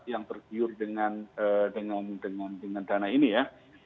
yang tergiur dengan dana ini ya